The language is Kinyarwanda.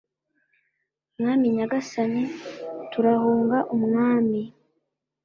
mwami nyagasani turahunga umwami